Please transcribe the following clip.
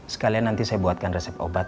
sekalian nanti saya buatkan resep obat